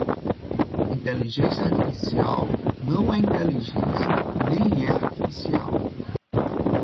Inteligência Artificial não é inteligência nem é artificial.